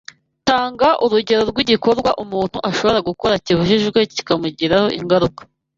Tanga urugero rw’igikorwa umuntu ashobora gukora kibujijwe kikamugiraho ingaruka